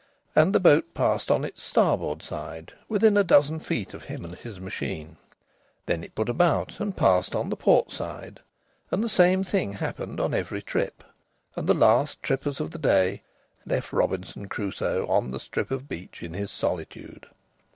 And the boat passed on its starboard side within a dozen feet of him and his machine. Then it put about and passed on the port side. And the same thing occurred on every trip. And the last trippers of the day left Robinson Crusoe on the strip of beach in his solitude.